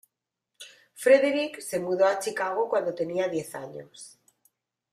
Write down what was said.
Frederic se mudo a Chicago cuándo tenía diez años.